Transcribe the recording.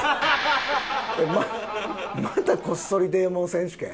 またこっそりデーモン選手権？